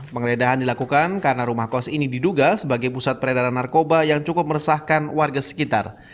penggeledahan dilakukan karena rumah kos ini diduga sebagai pusat peredaran narkoba yang cukup meresahkan warga sekitar